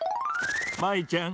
舞ちゃん。